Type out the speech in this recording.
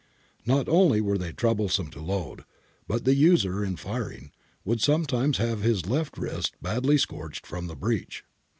^ Not only were they troublesome to load, but the user, in firing, would sometimes have his left wrist badly scorched from the breech.'